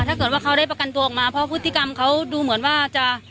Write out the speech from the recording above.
ถ้าเกิดว่าเขาได้ประกันตัวออกมาเพราะพฤติกรรมเขาดูเหมือนว่าจะ